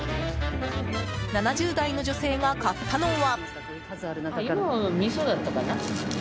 ７０代の女性が買ったのは。